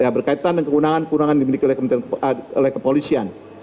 berkaitan dengan kewenangan kewenangan yang dimiliki oleh kepolisian